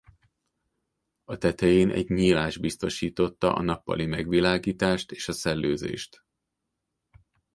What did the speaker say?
A tetején egy nyílás biztosította a nappali megvilágítást és a szellőzést.